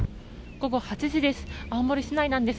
午後８時です。